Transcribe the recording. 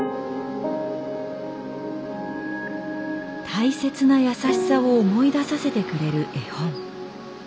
大切なやさしさを思い出させてくれる絵本。